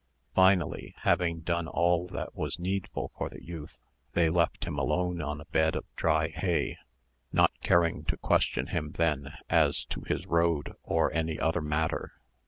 Finally, having done all that was needful for the youth, they left him alone on a bed of dry hay, not caring to question him then as to his road, or any other matter.